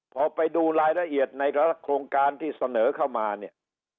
พอไปดูรายละเอียดในโครงการที่เสนอเข้ามาเนี่ย